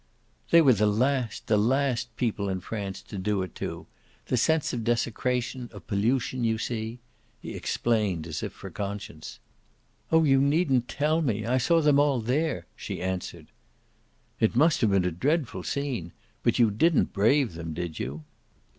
"They were the last, the last people in France, to do it to. The sense of desecration, of pollution, you see" he explained as if for conscience. "Oh you needn't tell me I saw them all there!" she answered. "It must have been a dreadful scene. But you DIDN'T brave them, did you?"